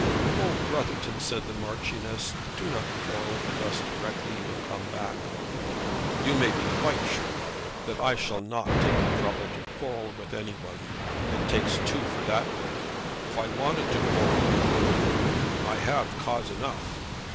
"Oh, Brotherton," said the Marchioness, "do not quarrel with us directly you have come back." "You may be quite sure, mother, that I shall not take the trouble to quarrel with any one. It takes two for that work. If I wanted to quarrel with her or you, I have cause enough."